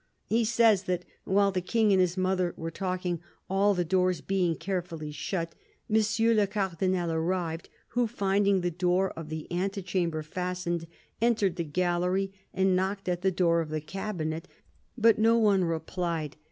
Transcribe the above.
He says that while the King and his mother were talking, all the doors being carefully shut, " Monsieur le Cardinal arrived ; who, finding the door of the ante chamber fastened, entered the gallery and knocked at the door of the cabinet, but no one replied.